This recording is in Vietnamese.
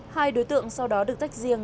hai đối tượng sau đó được tách riêng